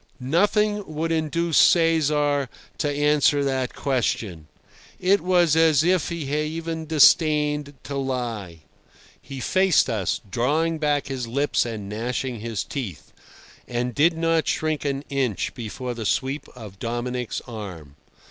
Nothing would induce Cesar to answer that question. It was as if he even disdained to lie. He faced us, drawing back his lips and gnashing his teeth, and did not shrink an inch before the sweep of Dominic's arm.